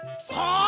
ああ！